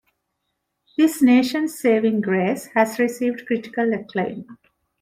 "This Nation's Saving Grace" has received critical acclaim.